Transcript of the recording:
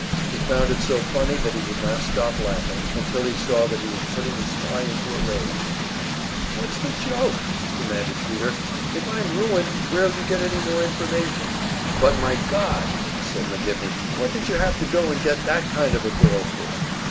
He found it so funny that he did not stop laughing until he saw that he was putting his spy into a rage. "What's the joke?" demanded Peter. "If I'm ruined, where'll you get any more information?" "But, my God!" said McGivney. "What did you have to go and get that kind of a girl for?"